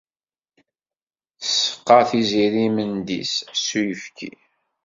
Tseqqa Tiziri imendi-is s uyefki.